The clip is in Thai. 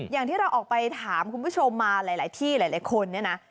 อย่างที่เราออกไปถามคุณผู้ชมมาหลายที่หลายคนเนี่ยนะ